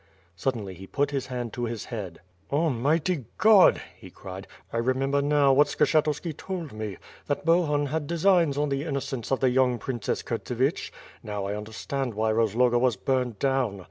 Suddenly he put his hand to his head: "Almighty God!" he cried, "I remember now what Skshe tuski told me; that Bohun had designs on the innocence of the young Princess Kurtsevich; now I understand why Roz loga was burned down!